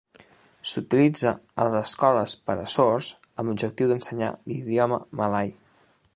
S'utilitza a les escoles per a sords amb l'objectiu d'ensenyar l'idioma malai.